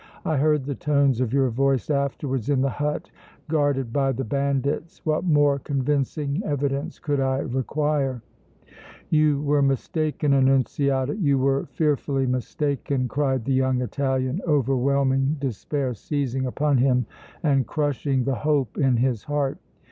I heard the tones of your voice afterwards in the hut guarded by the bandits! What more convincing evidence could I require?" "You were mistaken, Annunziata, you were fearfully mistaken!" cried the young Italian, overwhelming despair seizing upon him and crushing the hope in his heart.